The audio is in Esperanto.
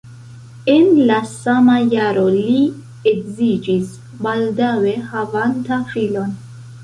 En la sama jaro li edziĝis baldaŭe havanta filon.